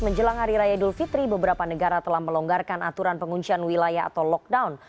menjelang hari raya idul fitri beberapa negara telah melonggarkan aturan penguncian wilayah atau lockdown